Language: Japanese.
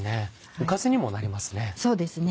おかずにもなりますね。